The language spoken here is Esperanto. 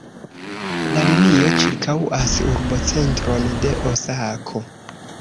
La linio ĉirkaŭas urbocentron de Osako.